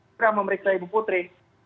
sekarang memeriksa ibu putri